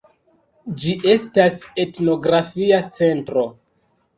Ĝi estas etnografia centro.